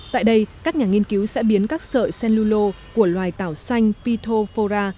tại đây các nhà nghiên cứu sẽ biến các sợi celluloid của loài tảo xanh phytophora